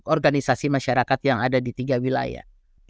organisasi masyarakat yang ada di tiga wilayah